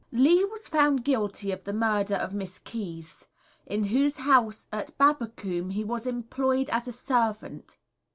Lee was found guilty of the murder of Miss Keyse, in whose house at Babbacombe he was employed as a servant.